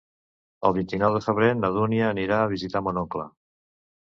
El vint-i-nou de febrer na Dúnia anirà a visitar mon oncle.